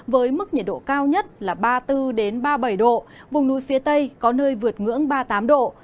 với mức nhiệt độ cao nhất là ba mươi bốn ba mươi bảy độ vùng núi phía tây có nơi vượt ngưỡng ba mươi tám độ